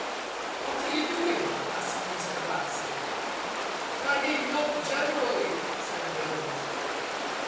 "What are you doin' ?" asked Mr. Batson. "Tidyin' up generally," said Billunt.